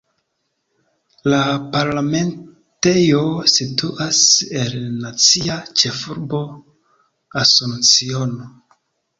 La parlamentejo situas en la nacia ĉefurbo Asunciono.